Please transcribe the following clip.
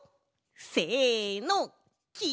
せのき